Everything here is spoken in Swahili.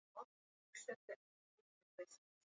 mauaji hayo yaliitwa mauaji ya srebrenica